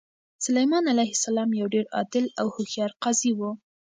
سلیمان علیه السلام یو ډېر عادل او هوښیار قاضي و.